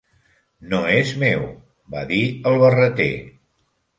"No és meu", va dir el Barreter.